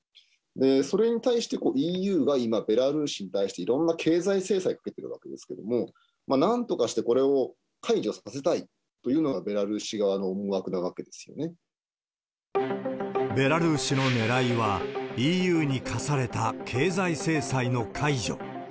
それに対してＥＵは今、ベラルーシに対していろんな経済制裁をかけているわけですけれども、なんとかしてこれを解除させたいというのがベラルーシ側の思惑なベラルーシのねらいは、ＥＵに科された経済制裁の解除。